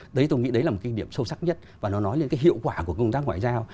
đấy tôi nghĩ đấy là một kinh nghiệm sâu sắc nhất và nó nói lên cái hiệu quả của công tác ngoại giao